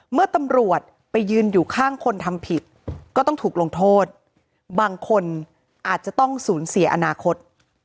เมื่อตำรวจไปยืนอยู่ข้างคนทำผิดก็ต้องถูกลงโทษบางคนอาจจะต้องสูญเสียอนาคต